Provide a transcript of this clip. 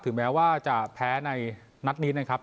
แม้ว่าจะแพ้ในนัดนี้นะครับ